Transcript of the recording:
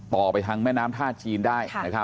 ต่อไปทางแม่น้ำท่าจีนได้